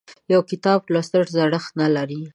یو کتاب لوستل زړښت نه لري.